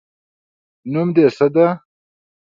نوم د څه ده